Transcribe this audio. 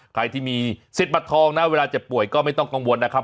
ใครที่มีสิทธิ์บัตรทองนะเวลาเจ็บป่วยก็ไม่ต้องกังวลนะครับ